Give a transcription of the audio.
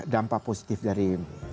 dampak positif dari